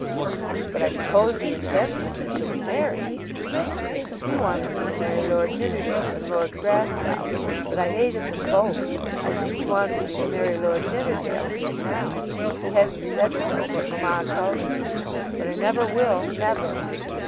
"But I suppose he intends that you shall be married?" "He wanted me to marry Lord Nidderdale and Lord Grasslough, but I hated them both. I think he wants me to marry Lord Nidderdale again now. He hasn't said so, but mamma tells me. But I never will; never!"